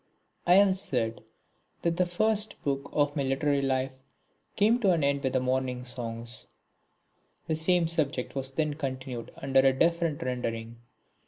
I have said that the first book of my literary life came to an end with the Morning Songs. The same subject was then continued under a different rendering.